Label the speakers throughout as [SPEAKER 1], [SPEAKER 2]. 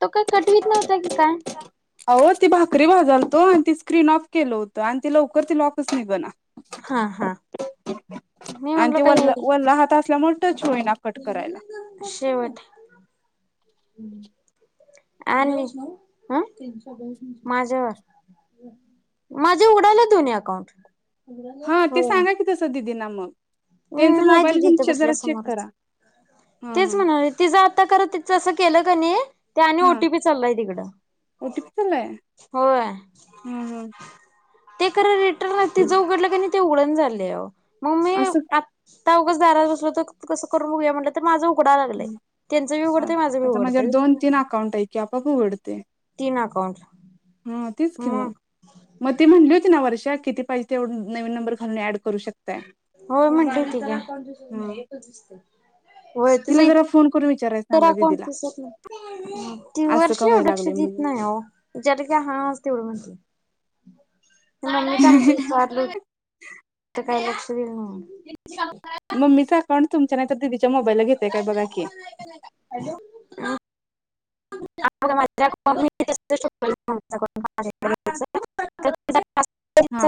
[SPEAKER 1] तो काय कटवीत नव्हता की काय
[SPEAKER 2] अहो ती भाकरी भाजालतो आणि ती स्क्रीन ऑफ केलं होतं आणि ती लवकर ती लॉकच निघाला
[SPEAKER 1] हा हा मी
[SPEAKER 2] आणि
[SPEAKER 1] म्हणलो
[SPEAKER 2] ते
[SPEAKER 1] काय
[SPEAKER 2] वल्ला
[SPEAKER 1] आहे
[SPEAKER 2] वल्ला हात असल्यामुळे टच होईना कट करायला
[SPEAKER 1] शेवट आणि माझ्यावर माझे उडाले दोन्ही अकाउंट
[SPEAKER 2] हा ते सांगा की तसं दिदींना मग त्यांच
[SPEAKER 1] हम् आहे
[SPEAKER 2] मोबाईल
[SPEAKER 1] दिदी
[SPEAKER 2] घेऊन
[SPEAKER 1] इथे
[SPEAKER 2] चे
[SPEAKER 1] बसल्या
[SPEAKER 2] जरा चेक
[SPEAKER 1] समोरच
[SPEAKER 2] करा हा
[SPEAKER 1] तेच
[SPEAKER 2] हा
[SPEAKER 1] म्हणाले ते ज करत तच असं केलं क नाही ते आणि
[SPEAKER 2] हा
[SPEAKER 1] ओटीपी चाललाय तिकडं
[SPEAKER 2] ओटीपी चाललाय
[SPEAKER 1] होय
[SPEAKER 2] हा हा
[SPEAKER 1] ते कराय रिटर्न ते ज उघडलं क नाही ते उघडन झाले
[SPEAKER 2] अससं
[SPEAKER 1] त्या उघच दारात बसल तर कसं करून बघया म्हटलं तर माझं उघडाय लागलंय त्यांचं बी
[SPEAKER 2] ह
[SPEAKER 1] उघडतंय माझं बी
[SPEAKER 2] आता म्हजे
[SPEAKER 1] उघडतंय
[SPEAKER 2] दोन तीन अकाउंट ऐ की आप उघडते
[SPEAKER 1] कोण
[SPEAKER 2] हा तेीच खी मग मग ते म्हणली होती ना वर्ष किती पाहिजे तेव नवीन नंबर घालून ड
[SPEAKER 1] हो म्हणते
[SPEAKER 2] हा
[SPEAKER 1] त वय
[SPEAKER 2] तिला
[SPEAKER 1] तेच
[SPEAKER 2] जरा फोन करून विचारायला सांगा
[SPEAKER 1] तर को
[SPEAKER 2] दिदीला
[SPEAKER 1] दिसत नाही ती
[SPEAKER 2] असं
[SPEAKER 1] वर्ष
[SPEAKER 2] का
[SPEAKER 1] एव
[SPEAKER 2] व्हायला
[SPEAKER 1] लक्ष
[SPEAKER 2] लागले
[SPEAKER 1] देत नाही हो का हा तेवढं म्हटलं मम्मी आमचीविचारल
[SPEAKER 2] म्हणून [unintelligible]
[SPEAKER 1] काय लक्ष देईना म्हणून
[SPEAKER 2] मम्मीचा अकाउंट तुमच्या नाही तर दीदी च्या मोबाईलला घेतय काय बघा की,
[SPEAKER 1] [unintelligible]
[SPEAKER 2] हा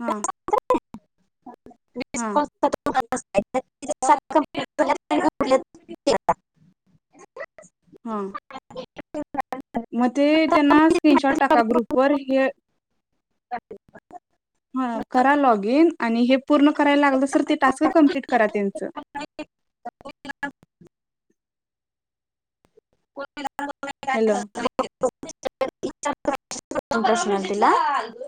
[SPEAKER 2] हा हा
[SPEAKER 1] [inaudible] [unintelligible]
[SPEAKER 2] हा
[SPEAKER 1] [inaudible]
[SPEAKER 2] म ते त्यांना स्क्रीनशॉट टाका ग्रुप वर हे हा करा लॉग इन आणि हे पूर्ण करायला लागल सर ते टास्क कंप्लीट करा त्यांच
[SPEAKER 1] कोण मेले?
[SPEAKER 2] हॅलो
[SPEAKER 1] [unintelligible] [unintelligible] इंटरेस्ट मिळेल तिला